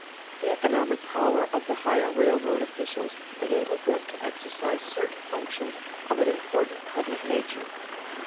_The economic power of the higher railroad officials enables them to exercise certain functions of an important public nature.